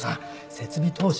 設備投資。